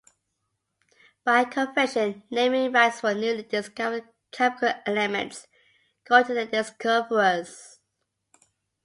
By convention, naming rights for newly discovered chemical elements go to their discoverers.